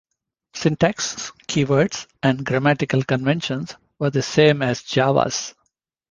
Syntax, keywords, and grammatical conventions were the same as Java's.